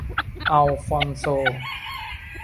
อัลฟอนโซ